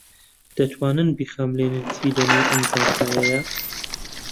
دەتوانن بیخەملێنن چی لەنێو ئەم جانتایەیە؟